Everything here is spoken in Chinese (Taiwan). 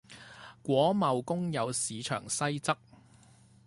果貿公有市場西側